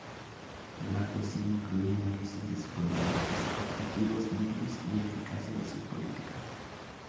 La cuestión incluye análisis de su fundamentos, objetivos, medios y eficacia de sus políticas.